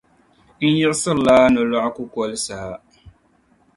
N yiɣisirila nolɔgu kukoli saha.